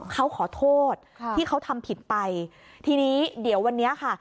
เขาขอโทษที่เขาทำผิดไปทีนี้เดี๋ยววันนี้ค่ะ